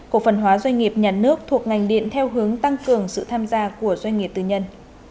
cổ phần hóa doanh nghiệp nhà nước thuộc ngành điện theo hướng tăng cường sự tham gia của doanh nghiệp tư nhân